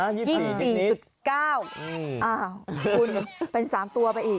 อ้าวคุณเป็น๓ตัวไปอีก